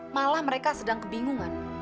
malah mereka sedang kebingungan